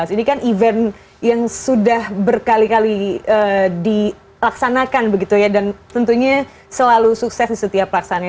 ini kan event yang sudah berkali kali dilaksanakan begitu ya dan tentunya selalu sukses di setiap pelaksanaan